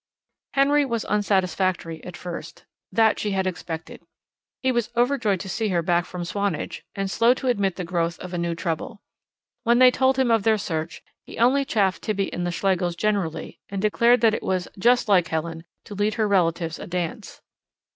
Henry was unsatisfactory at first. That she had expected. He was overjoyed to see her back from Swanage, and slow to admit the growth of a new trouble. When they told him of their search, he only chaffed Tibby and the Schlegels generally, and declared that it was "just like Helen" to lead her relatives a dance.